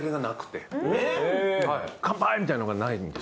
「乾杯」みたいなのがないんです。